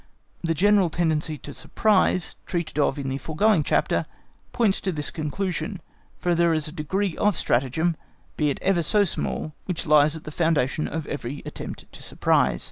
The general tendency to surprise, treated of in the foregoing chapter, points to this conclusion, for there is a degree of stratagem, be it ever so small, which lies at the foundation of every attempt to surprise.